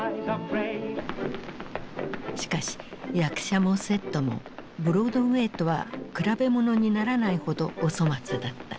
しかし役者もセットもブロードウェイとは比べ物にならないほどお粗末だった。